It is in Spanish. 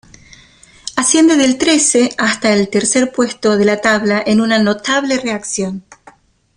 Asciende del trece hasta el tercer puesto de la tabla en una notable reacción.